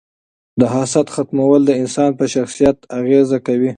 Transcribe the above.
د حسد ختمول د انسان په شخصیت اغیزه کوي.